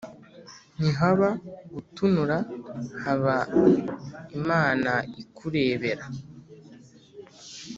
Ntihaba gutunura haba Imana ikurebera.